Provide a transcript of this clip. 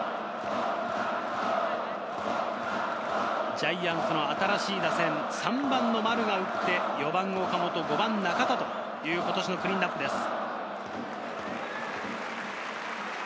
ジャイアンツの新しい打線、３番の丸が打って、４番・岡本、５番・中田という今年のクリーンナップです。